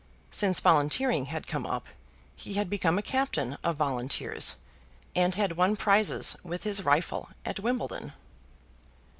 Since volunteering had come up, he had become a captain of Volunteers, and had won prizes with his rifle at Wimbledon.